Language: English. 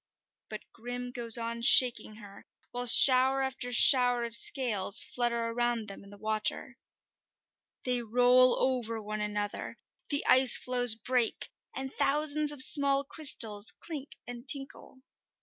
But Grim goes on shaking her, while shower after shower of scales flutter around them in the water. They roll over one another, the ice floes break, and thousands of small crystals clink and tinkle.